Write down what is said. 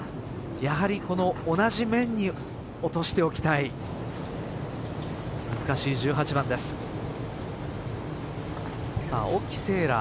やはりこの同じ面に落としておきたい。